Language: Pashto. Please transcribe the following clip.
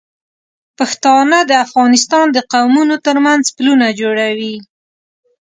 پښتانه د افغانستان د قومونو تر منځ پلونه جوړوي.